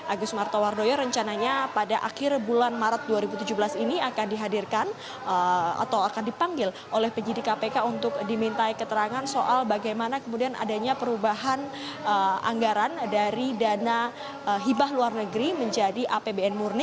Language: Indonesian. agus martowardoyo rencananya pada akhir bulan maret dua ribu tujuh belas ini akan dihadirkan atau akan dipanggil oleh penyidik kpk untuk dimintai keterangan soal bagaimana kemudian adanya perubahan anggaran dari dana hibah luar negeri menjadi apbn murni